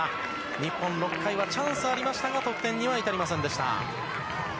日本、６回はチャンスありましたが、得点には至りませんでした。